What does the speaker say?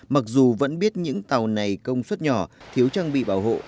mặc dù vẫn biết những tàu này công suất nhỏ thiếu trang bị bảo hộ